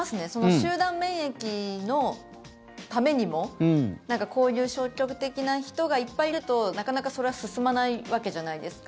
集団免疫のためにもこういう消極的な人がいっぱいいるとなかなか、それは進まないわけじゃないですか。